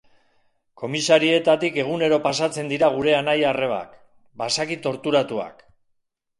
Komisarietatik egunero pasatzen dira gure anaia-arrebak, basaki torturatuak.